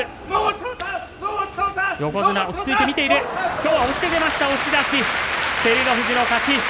きょうは押して出ました押し出し、照ノ富士の勝ち。